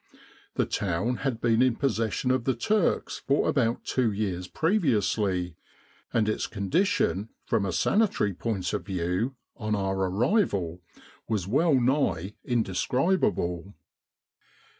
The town had been in possession of the Turks for about two years previously, and its condition from a sani tary point of view, on our arrival, was well nigh indescribable.